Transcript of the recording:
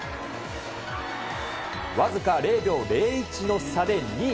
僅か０秒０１の差で２位。